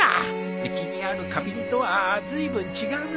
うちにある花瓶とはずいぶん違うのう。